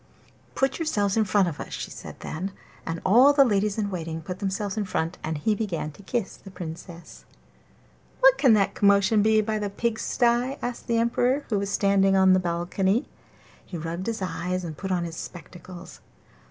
'Put yourselves in front of us,' she said then; and so all the ladies in waiting put themselves in front, and he began to kiss the Princess. 'What can that commotion be by the pigsties?' asked the Emperor, who was standing on the balcony. He rubbed his eyes and put on his spectacles.